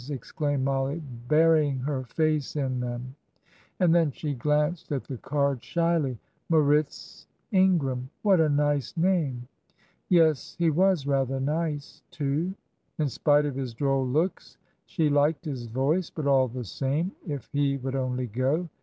exclaimed Mollie, burying her face in them; and then she glanced at the card shyly. "Moritz Ingram." What a nice name! Yes, he was rather nice, too. In spite of his droll looks, she liked his voice; but, all the same, if he would only go!